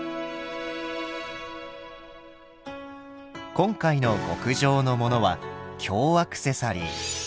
今回の極上のモノは「京アクセサリー」。